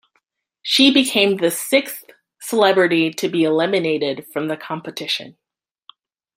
She became the sixth celebrity to be eliminated from the competition.